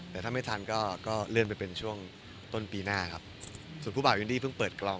แต่ถ้าไม่ทันก็ก็เลื่อนไปเป็นช่วงต้นปีหน้าครับส่วนผู้บ่าววินดี้เพิ่งเปิดกลอง